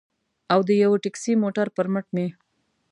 او د یوه ټکسي موټر پر مټ مې.